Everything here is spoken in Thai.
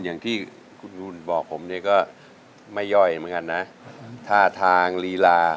อย่างที่คุณบุญบอกผมเนี่ยก็ไม่ย่อยเหมือนกันนะท่าทางลีลา